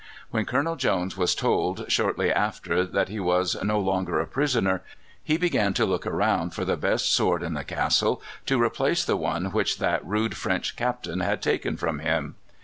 When Colonel Jones was told, shortly after, that he was no longer a prisoner, he began to look round for the best sword in the castle to replace the one which that rude French Captain had taken from him.